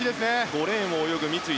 ５レーンを泳ぐのが三井。